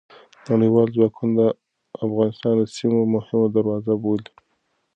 نړیوال ځواکونه افغانستان د سیمې مهمه دروازه بولي.